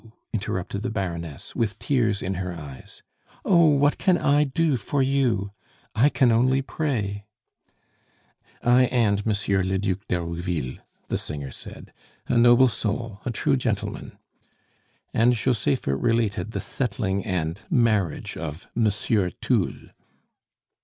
interrupted the Baroness, with tears in her eyes. "Oh, what can I do for you? I can only pray " "I and Monsieur le Duc d'Herouville," the singer said, "a noble soul, a true gentleman " and Josepha related the settling and marriage of Monsieur Thoul.